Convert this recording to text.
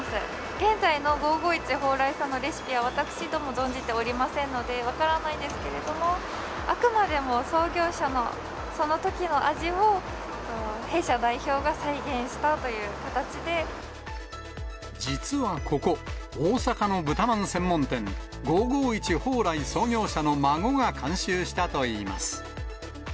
現在の５５１蓬莱さんのレシピは私ども存じておりませんので、分からないんですけれども、あくまでも創業者のそのときの味を、弊社代表が再現したという形実はここ、大阪の豚まん専門店、５５１蓬莱創業者の孫が監修したといいます。